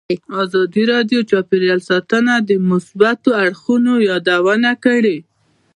ازادي راډیو د چاپیریال ساتنه د مثبتو اړخونو یادونه کړې.